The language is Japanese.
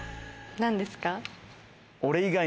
何ですか？